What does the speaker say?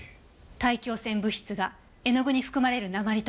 大気汚染物質が絵の具に含まれる鉛と反応すると。